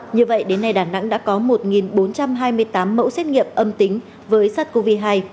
như vậy đến nay đà nẵng đã có một bốn trăm hai mươi tám mẫu xét nghiệm âm tính với sars cov hai